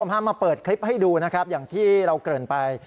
พามาเปิดคลิปให้ดูนะครับอย่างที่เราเกริ่นไป